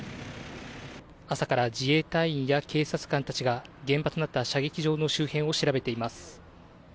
朝から自衛隊員や警察官たちが、現場となった射撃場の周辺を調べています。